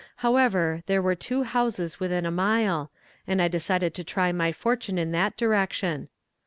However, there were two houses within a mile, and I decided to try my fortune in that direction.